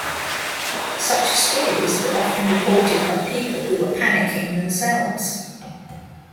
Such stories were often reported by people who were panicking themselves.